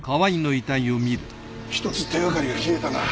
一つ手がかりが消えたな。